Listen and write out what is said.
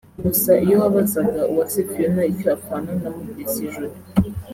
gusa iyo wabazaga Uwase Fiona icyo apfana na Mutesi Jolly